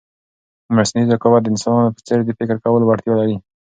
مصنوعي ذکاوت د انسانانو په څېر د فکر کولو وړتیا لري.